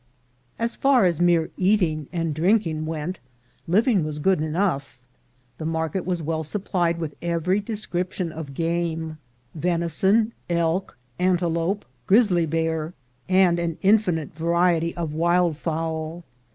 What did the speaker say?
As far as mere eating and drinking went, living was good enough. The market was well supplied with every description of game — venison, elk, ante lope, grizzly bear, and an infinite variety of wild fowl.